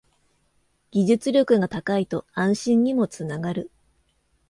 技術力が高いと安心にもつながる